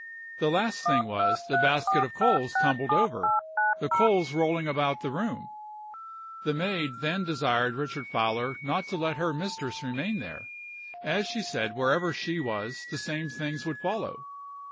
The last thing was, the basket of coals tumbled over, the coals rolling about the room The maid then desired Richard Fowler not to let her mistress remain there, as she said wherever she was the same things would follow.